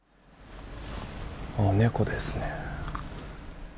猫ですね。